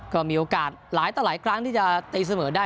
ก็มีโอกาสหลายต่อหลายครั้งที่จะตีเสมอได้